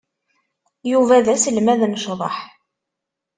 Yuba d aselmad n ccḍeḥ.